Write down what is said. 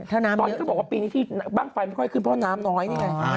ตอนที่เขาบอกว่าปีนี้ที่บ้างไฟไม่ค่อยขึ้นเพราะน้ำน้อยนี่ไง